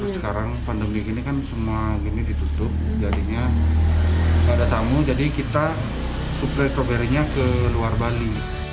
sekarang pandemi gini kan semua gini ditutup jadinya nggak ada tamu jadi kita suplai stroberinya ke luar bali